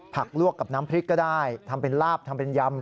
ลวกกับน้ำพริกก็ได้ทำเป็นลาบทำเป็นยำ